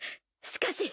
しかし！